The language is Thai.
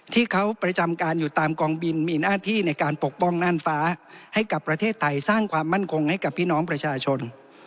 ที่เขาประจำการอยู่ตามกองบินมีหน้าที่ในการปกป้องน่านฟ้าให้กับประเทศไทยสร้างความมั่นคงให้กับพี่น้องประชาชน